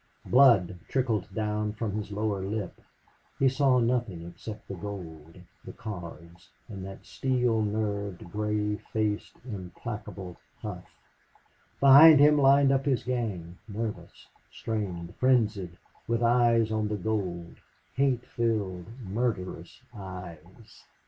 Blood trickled down from his lower lip. He saw nothing except the gold, the cards, and that steel nerved, gray faced, implacable Hough. Behind him lined up his gang, nervous, strained, frenzied, with eyes on the gold hate filled, murderous eyes.